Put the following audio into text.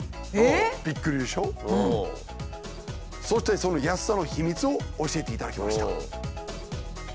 そしてその安さの秘密を教えていただきました。